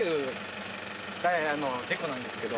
デコなんですけど。